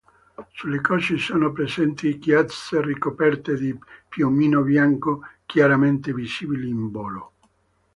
Sulle cosce sono presenti chiazze ricoperte di piumino bianco chiaramente visibili in volo.